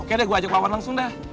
oke deh gue ajak wawan langsung dah